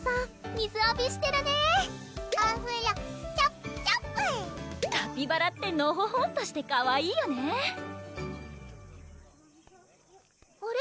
水あびしてるねおふろちゃぷちゃぷカピバラってのほほんとしてかわいいよねあれ？